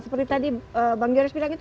seperti tadi bang joris bilang